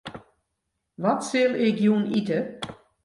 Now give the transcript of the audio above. Wat sil ik jûn ite?